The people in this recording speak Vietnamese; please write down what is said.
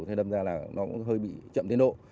thế đâm ra là nó cũng hơi bị chậm tiến độ